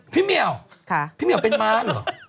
พี่เหมียวเป็นม้าเหรอ